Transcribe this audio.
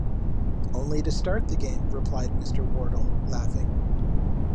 ‘Only to start the game,’ replied Mr. Wardle, laughing.